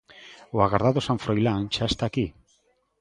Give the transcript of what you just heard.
O agardado San Froilán xa está aquí.